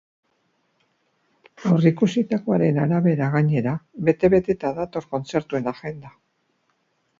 Aurreikusitakoaren arabera, gainera, bete-beteta dator kontzertuen agenda.